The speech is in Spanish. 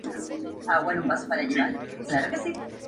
Las mayores joyas de Aro son su guardia, especialmente Jane y Alec.